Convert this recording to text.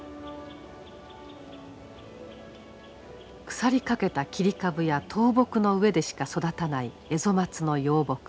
腐りかけた切り株や倒木の上でしか育たないエゾマツの幼木。